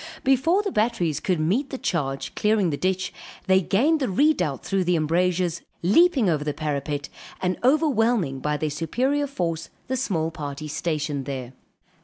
Before the batteries could meet the charge, clearing the ditch, they gained the redoubt through the embrasures, leaping over the parapet, and overwhelming by their superior force the small party stationed there.